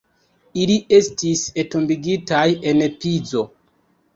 Ili estis entombigitaj en Pizo.